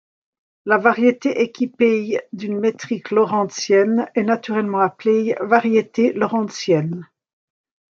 Une variété équipée d'une métrique lorentzienne est naturellement appelée variété lorentzienne.